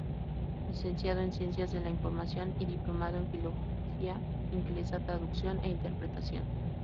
Licenciado en Ciencias de la Información y Diplomado en Filología Inglesa, Traducción e Interpretación.